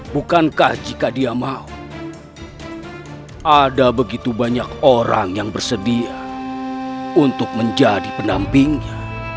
bukankah jika dia mau ada begitu banyak orang yang bersedia untuk menjadi penampingnya